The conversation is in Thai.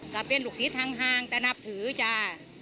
ก็เป็นลูกศิษย์ทางห้างแต่นับถือจ้า